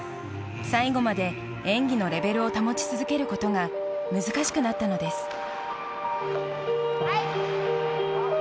最後まで、演技のレベルを保ち続けることが難しくなったのです。